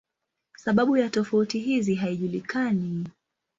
Sababu ya tofauti hizi haijulikani.